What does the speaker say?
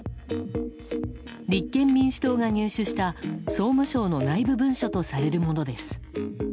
立憲民主党が入手した、総務省の内部文書とされるものです。